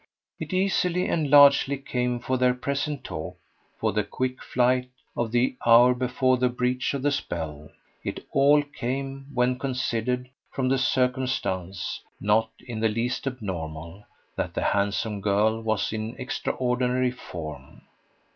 It easily and largely came for their present talk, for the quick flight of the hour before the breach of the spell it all came, when considered, from the circumstance, not in the least abnormal, that the handsome girl was in extraordinary "form."